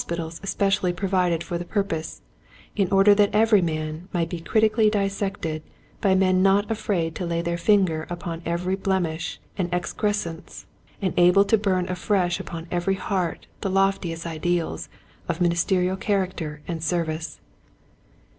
pitals especially provided for the purpose in order that every man might be critically dis sected by men not afraid to lay their finger upon every blemish and excrescence, and able to burn afresh upon every heart the loftiest ideals of ministerial character and service.